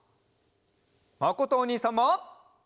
まことおにいさんも！